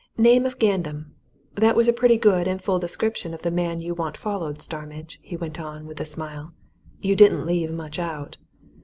"Name of Gandam. That was a pretty good and full description of the man you want followed, Starmidge," he went on, with a smile. "You don't leave much out!"